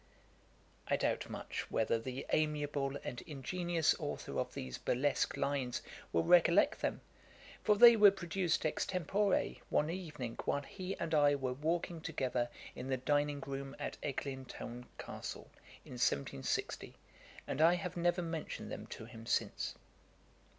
] I doubt much whether the amiable and ingenious author of these burlesque lines will recollect them, for they were produced extempore one evening while he and I were walking together in the dining room at Eglintoune Castle, in 1760, and I have never mentioned them to him since.